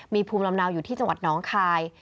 มีภูมิลำเนาอยู่ที่จังหวัดน้องคาย